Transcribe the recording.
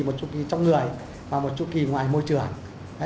một chút kỳ trong người và một chu kỳ ngoài môi trường